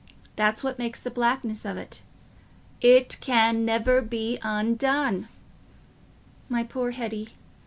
that's what makes the blackness of it... it can never be undone. My poor Hetty...